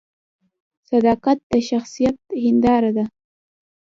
صداقت د شخصیت هنداره ده